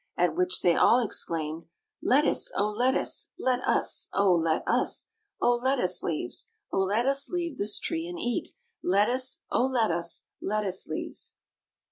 At which they all exclaimed: "Lettuce! O lettuce Let us, O let us, O lettuce leaves, O let us leave this tree, and eat Lettuce, O let us, lettuce leaves!"